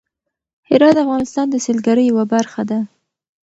هرات د افغانستان د سیلګرۍ یوه برخه ده.